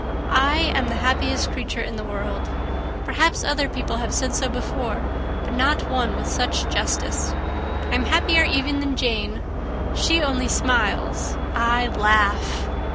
I am the happiest creature in the world. Perhaps other people have said so before, but no one with such justice. I am happier even than Jane; she only smiles, I laugh.